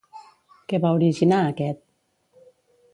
Què va originar aquest?